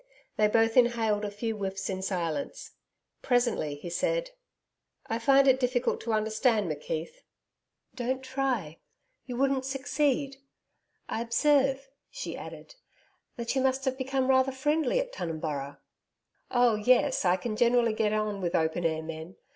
They both inhaled a few whiffs in silence. Presently, he said: 'I find it difficult to understand McKeith.' 'Don't try. You wouldn't succeed. I observe,' she added, 'that you must have become rather friendly at Tunumburra?' 'Oh, yes. I can generally get on with open air men.